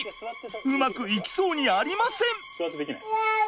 うまくいきそうにありません！